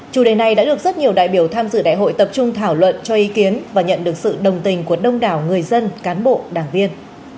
chủ đề này đã được rất nhiều đại biểu tham dự đại hội tập trung thảo luận cho ý kiến và nhận được sự đồng tình của đông đảo người dân cán bộ đảng viên